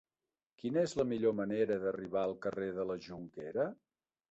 Quina és la millor manera d'arribar al carrer de la Jonquera?